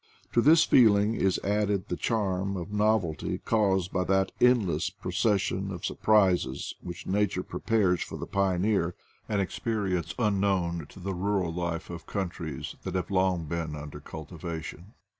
To this feeling is added the charm of novelty caused by that endless proces sion of surprises which nature prepares for the pioneer — an experience unknown to the rural life of countries that have long been under cultiva tion.